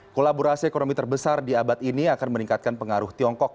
kolaborasi ekonomi terbesar di abad ini akan meningkatkan pengaruh tiongkok